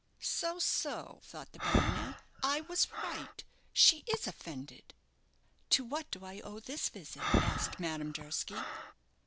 "So, so," thought the baronet; "I was right. She is offended." "To what do I owe this visit?" asked Madame Durski.